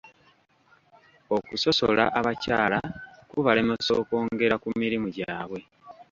Okusosola abakyala kubalemesa okwongera ku mirimu gyabwe